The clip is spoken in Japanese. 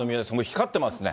光ってますね。